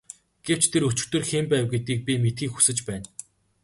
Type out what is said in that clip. Гэвч тэр өчигдөр хэн байв гэдгийг би мэдэхийг хүсэж байна.